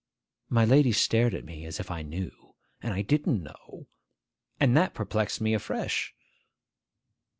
My lady stared at me, as if I knew. And I didn't know. And that perplexed me afresh.